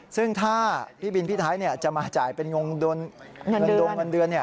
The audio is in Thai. ซึ่งถ้าพี่บินพี่ไทยจะมาจ่ายเป็นเงินดงเงินเดือน